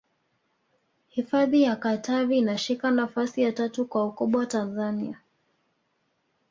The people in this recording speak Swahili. hifadhi ya katavi inashika nafasi ya tatu kwa ukubwa tanzania